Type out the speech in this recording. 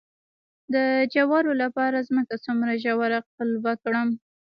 د جوارو لپاره ځمکه څومره ژوره قلبه کړم؟